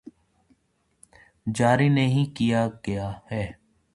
جاری نہیں کیا گیا ہے